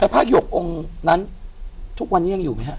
ผ้าหยกองค์นั้นทุกวันนี้ยังอยู่ไหมฮะ